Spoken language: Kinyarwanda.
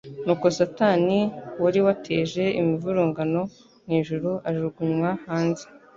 nuko Satani wari wateje imivururugano mu ijuru ajuguruywa hanze.